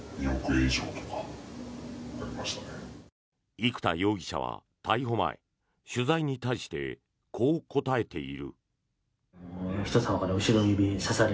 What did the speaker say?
生田容疑者は逮捕前取材に対してこう答えている。